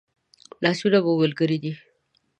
لاسونه مو ملګري دي